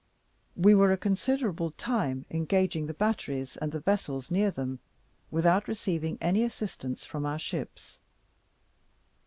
We were a considerable time engaging the batteries, and the vessels near them, without receiving any assistance from our ships.